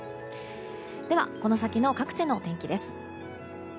では、この先の各地の天気です。